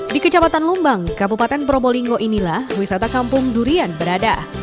di kecamatan lumbang kabupaten probolinggo inilah wisata kampung durian berada